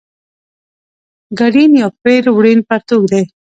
ګډین یو پېړ وړین پرتوګ دی.